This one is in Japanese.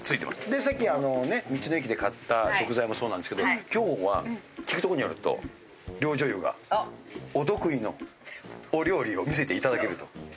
でさっき道の駅で買った食材もそうなんですけど今日は聞くところによると両女優がお得意のお料理を見せていただけると。